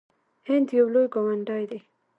هند یو لوی ګاونډی دی.